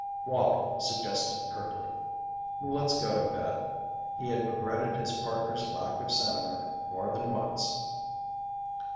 Wallie suggested curtly: "Let's go to bed." He had regretted his partner's lack of sentiment more than once.